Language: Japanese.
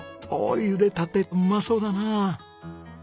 おゆでたてうまそうだな。